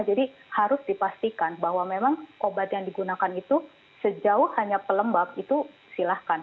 jadi harus dipastikan bahwa memang obat yang digunakan itu sejauh hanya pelembab itu silahkan